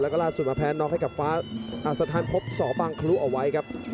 แล้วก็ล่าสุดมาแพ้น็อกให้กับฟ้าสถานพบสบังคลุเอาไว้ครับ